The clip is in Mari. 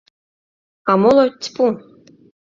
А моло — тьпу!